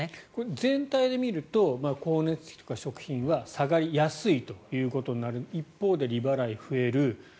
全体で見ると光熱費とか食品は下がりやすいということですが一方、利払いが増える。